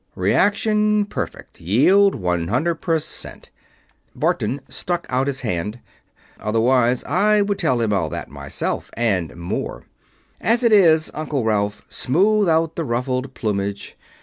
"Reaction, perfect. Yield, one hundred percent." Barton stuck out his hand. "Otherwise, I would tell him all that myself and more. As it is, Uncle Ralph, smooth out the ruffled plumage.